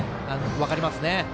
分かりますね。